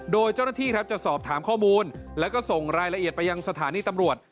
โดยเจ้าหน้าที่ครับจะสอบถามข้อมูลแล้วก็ส่งรายละเอียดไปยังสถานีตำรวจ